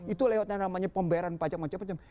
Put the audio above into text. itu lewatnya namanya pembayaran pajak macam macam